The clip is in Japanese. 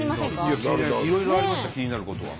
いろいろありました気になることは。